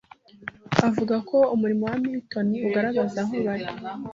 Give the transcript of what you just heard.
avuga ko umurimo wa Milton ugaragaza ahobari